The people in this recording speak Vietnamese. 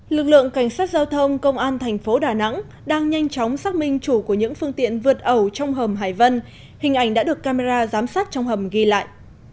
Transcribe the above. lực lượng cảnh sát giao thông công an thành phố đà nẵng đang nhanh chóng xác minh chủ của những phương tiện vượt ẩu trong hầm hải vân hình ảnh đã được camera giám sát trong hầm ghi lại